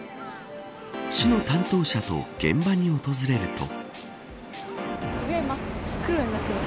市の担当者と現場に訪れると。